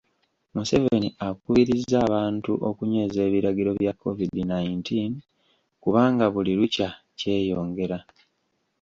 Museveni akubirizza abantu okunyweza ebiragiro bya COVID nineteen kubanga buli lukya kyeyongera